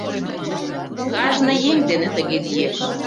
Кажне еҥ дене тыге лиеш.